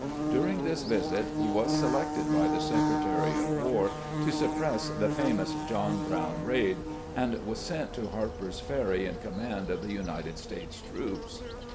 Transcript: During this visit he was selected by the Secretary of War to suppress the famous "John Brown Raid," and was sent to Harper's Ferry in command of the United States troops.